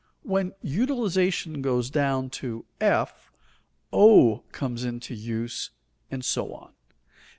When utilization goes down to f, O comes into use, and so on.